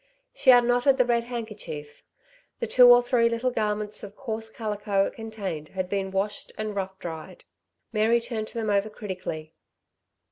She unknotted the red handkerchief. The two or three little garments of coarse calico it contained had been washed and rough dried. Mary turned them over critically.